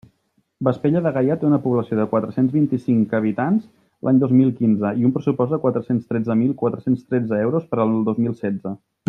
Vespella de Gaià té una població de quatre-cents vint-i-cinc habitants l'any dos mil quinze i un pressupost de quatre-cents tretze mil quatre-cents tretze euros per al dos mil setze.